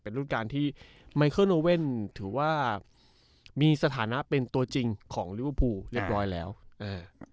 เป็นรูปการณ์ที่ถือว่ามีสถานะเป็นตัวจริงของเรียบร้อยแล้วเออ